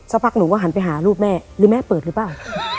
หนูก็หันไปหารูปแม่หรือแม่เปิดหรือเปล่า